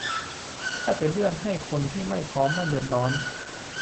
ถ้าจะเลื่อนให้คนที่ไม่พร้อมไม่เดือดร้อน